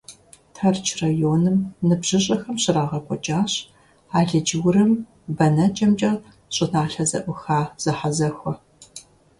Тэрч районым ныбжьыщӀэхэм щрагъэкӀуэкӀащ алыдж-урым бэнэкӀэмкӀэ щӀыналъэ зэӀуха зэхьэзэхуэ.